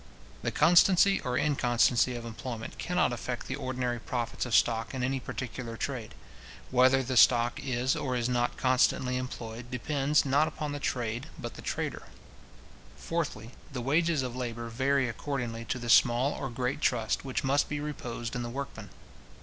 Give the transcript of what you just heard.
The constancy or inconstancy of employment cannot affect the ordinary profits of stock in any particular trade. Whether the stock is or is not constantly employed, depends, not upon the trade, but the trader. Fourthly, the wages of labour vary according to the small or great trust which must be reposed in the workmen.